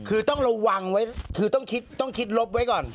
คือต้องระวังไว้คือต้องคิดต้องคิดลบไว้ก่อน